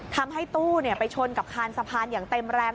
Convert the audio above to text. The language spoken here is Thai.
ทำให้ตู้ไปชนกับคานสะพานอย่างเต็มแรง